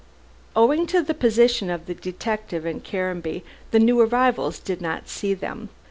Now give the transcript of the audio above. Owing to the position of the detective and Caranby, the new arrivals did not see them.